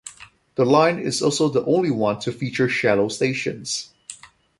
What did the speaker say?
The line is also the only one to feature shallow stations.